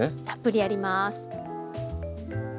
たっぷりやります。